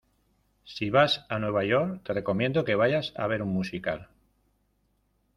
Si vas a Nueva York te recomiendo que vayas a ver un musical.